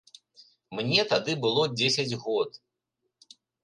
Мне тады было дзесяць год.